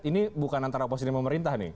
ini bukan antara oposisi pemerintah nih